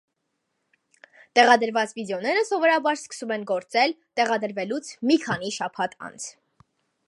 Տեղադրված վիդեոները սովորաբար սկսում են գործել տեղադրվելուց մի քանի շաբաթ անց։